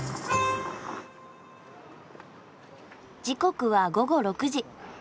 時刻は午後６時。